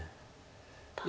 ただ。